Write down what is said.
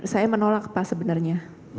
saya menolak pas sebenarnya